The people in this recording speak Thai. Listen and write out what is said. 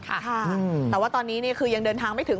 แต่ว่าตอนนี้คือยังเดินทางไม่ถึง